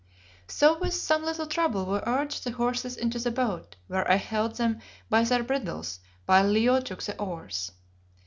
So with some little trouble we urged the horses into the boat, where I held them by their bridles while Leo took the oars.